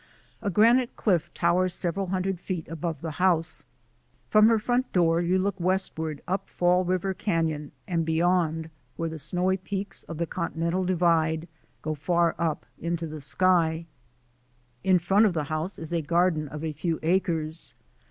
A granite cliff towers several hundred feet above the house. From her front door you look westward up Fall River can on, and beyond where the snowy peaks of the Continental Divide go far up into the sky. In DEVELOPMENT OF A WOMAN GUIDE 265 front of the house is a garden of a few acres.